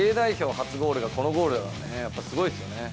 初ゴールがこのゴールだからね、やっぱすごいですよね。